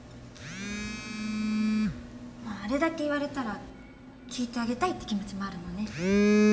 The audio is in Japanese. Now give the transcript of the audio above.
あれだけ言われたら聞いてあげたいって気持ちもあるのね。